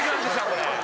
これ！